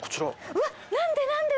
うわっ何で何で。